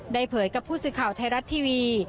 เผยกับผู้สื่อข่าวไทยรัฐทีวี